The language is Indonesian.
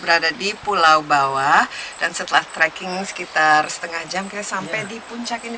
berada di pulau bawah dan setelah tracking sekitar setengah jam sampai di puncak ini